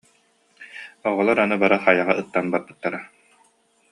Оҕолор аны бары хайаҕа ыттан барбыттара